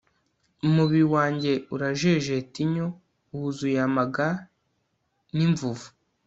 umubiri wanjye urajejeta inyo, wuzuye amaga n'imvuvu